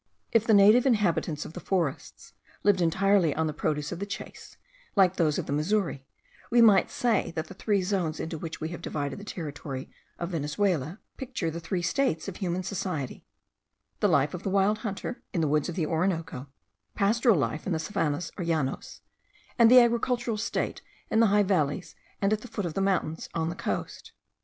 If the native inhabitants of the forests lived entirely on the produce of the chase, like those of the Missouri, we might say that the three zones into which we have divided the territory of Venezuela, picture the three states of human society; the life of the wild hunter, in the woods of the Orinoco; pastoral life, in the savannahs or llanos; and the agricultural state, in the high valleys, and at the foot of the mountains on the coast.